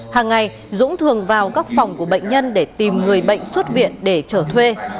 hàng ngày dũng thường vào các phòng của bệnh nhân để tìm người bệnh xuất viện để trở thuê